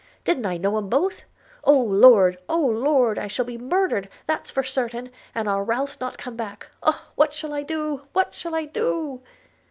Didn't I know 'em both? – Oh Lord! oh Lord! I shall be murder'd, that's for certain, and our Ralph's not come back – Oh! what shall I do? – what shall I do?'